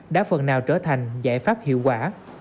đã phần nào trở thành giải pháp hiệu quả